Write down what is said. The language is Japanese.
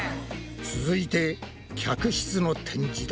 続いて客室の展示だ。